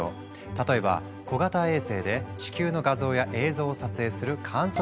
例えば小型衛星で地球の画像や映像を撮影する観測サービス。